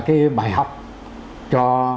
cái bài học cho